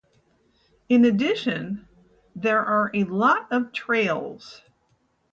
In addition, there are a lot of trails.